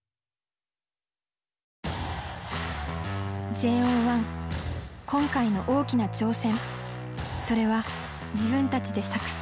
ＪＯ１今回の大きな挑戦。